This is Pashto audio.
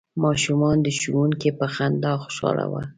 ماشومان د ښوونکي په خندا خوشحاله وو.